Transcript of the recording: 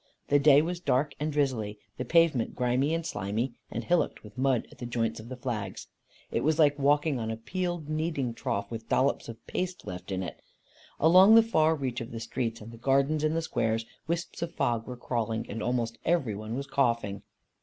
The day was dark and drizzly; the pavement grimy and slimy, and hillocked with mud at the joints of the flags. It was like walking on a peeled kneading trough with dollops of paste left in it. Along the far reach of the streets, and the gardens in the squares, wisps of fog were crawling, and almost every one was coughing.